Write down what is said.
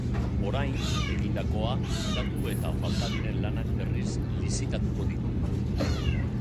Orain, egindakoa kitatu eta falta diren lanak berriz lizitatuko ditu.